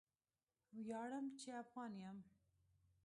ویاړم چې افغان یم